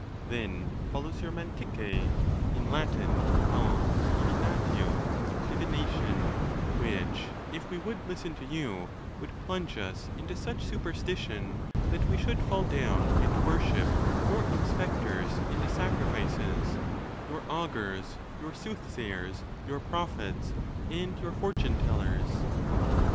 Then follows your juavrdci), in Latin called divinatio, divination ; which, if we would listen to you, would plunge us into such su perstition that we should fall down and worship your in spectors into sacrifices, your augurs, your soothsayers, your prophets, and your fortune tellers.